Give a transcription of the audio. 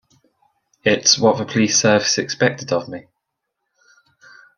It's what the police service expected of me.